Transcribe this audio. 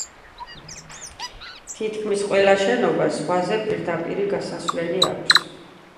თითქმის ყველა შენობას ზღვაზე პირდაპირი გასასვლელი აქვს.